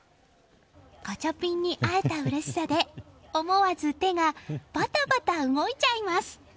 ガチャピンに会えたうれしさで思わず手がバタバタ動いちゃいます！